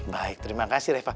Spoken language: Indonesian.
baik terima kasih reva